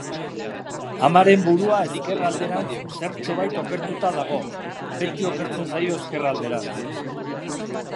Amaren burua ezker alderantz zertxobait okertuta dago, beti okertzen zaio ezker alderantz.